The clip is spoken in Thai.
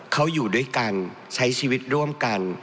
เขาอยู่ด้วยกันใช้ชีวิตร่วมกัน